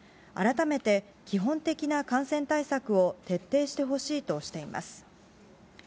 改めて基本的な感染対策を徹底してほしいとしています。